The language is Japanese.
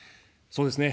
そうですね。